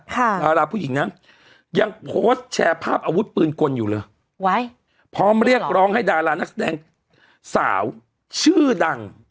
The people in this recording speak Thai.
ดาราผู้หญิงนะยังโพสต์แชร์ภาพอาวุธปืนกลอยู่เลยไว้พร้อมเรียกร้องให้ดารานักแสดงสาวชื่อดัง